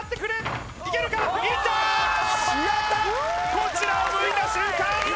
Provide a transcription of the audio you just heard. こちらを向いた瞬間